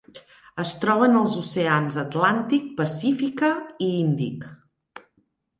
Es troben als oceans Atlàntic, Pacífica i Índic.